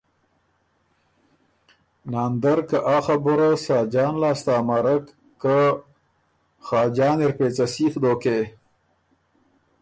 ناندر که آ خبُره ساجان لاسته امرک که ”خاجان اِر پېڅه سیخ دوکې“